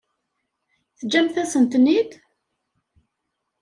Teǧǧamt-as-ten-id?